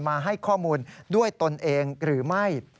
มาให้ข้อมูลด้วยตนเองหรือไม่